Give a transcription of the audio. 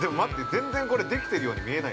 全然これできてるように見えない。